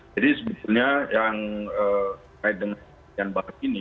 jadi sebetulnya yang terkait dengan virus covid sembilan belas ini